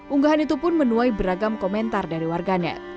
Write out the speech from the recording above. unggahan itu pun menuai beragam komentar dari warganet